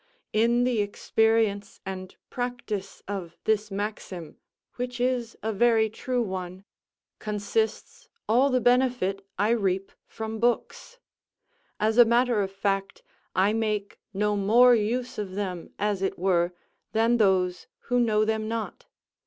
In the experience and practice of this maxim, which is a very true one, consists all the benefit I reap from books. As a matter of fact, I make no more use of them, as it were, than those who know them not.